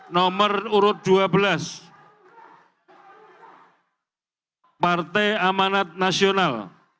nomor urut dua belas partai amanat nasional